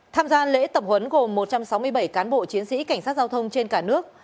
tham gia lễ tập huấn gồm một trăm sáu mươi bảy cán bộ chiến sĩ cảnh sát giao thông trên cả nước